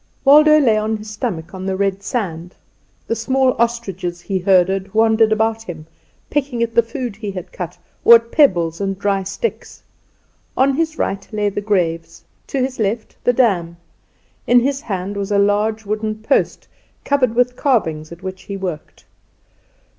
Waldo lay on his stomach on the red sand. The small ostriches he herded wandered about him, pecking at the food he had cut, or at pebbles and dry sticks. On his right lay the graves; to his left the dam; in his hand was a large wooden post covered with carvings, at which he worked.